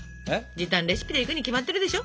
時短レシピでいくに決まってるでしょ。